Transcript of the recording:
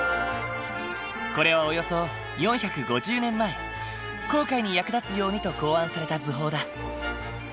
これはおよそ４５０年前航海に役立つようにと考案された図法だ。